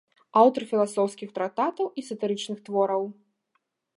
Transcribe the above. Аўтар філасофскіх трактатаў і сатырычных твораў.